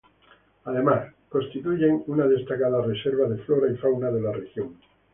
Además, constituyen una destacada reserva de flora y fauna de la región.